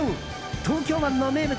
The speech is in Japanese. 東京湾の名物